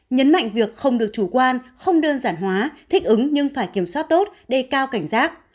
nhấn mạnh việc không được chủ quan không đơn giản hóa thích ứng nhưng phải kiểm soát tốt đề cao cảnh giác